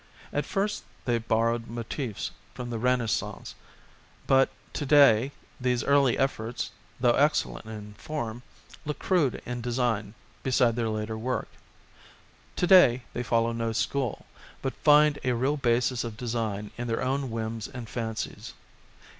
At first they borrowed motifs from the Renaissance, but to day these early efforts, though excellent in form, look crude in design beside their later work. To day they follow no school, but find a real basis of design in their own whims and fancies.